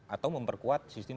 atau memperkuat sistem